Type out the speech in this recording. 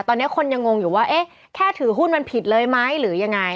ตอนนี้คนยังงงอยู่ว่าเอ๊ะแค่ถือหุ้นมันผิดเลยไหมหรือยังไง